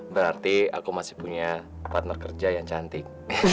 berarti aku masih punya partner kerja yang cantik